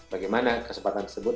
bagaimana kesempatan tersebut